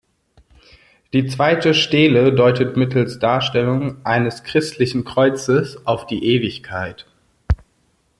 Die zweite Stele deutet mittels Darstellung eines christlichen Kreuzes auf die Ewigkeit.